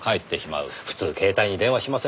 普通携帯に電話しませんかねぇ。